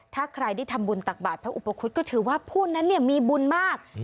ถ้าใครได้ทำบุญตักบาทพระอุปคุฎก็ถือว่าผู้นั้นมีบุญมาก